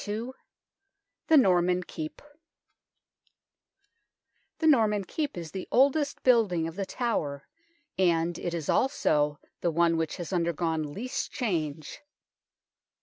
II THE NORMAN KEEP THE Norman Keep is the oldest building of The Tower, and it is also the one which has undergone least change.